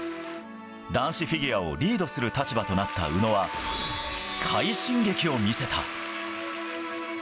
男子フィギュアをリードする立場となった宇野は、快進撃を見せた。